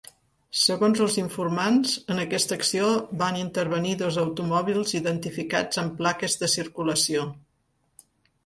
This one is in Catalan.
Segons els informants, en aquesta acció van intervenir dos automòbils identificats amb plaques de circulació.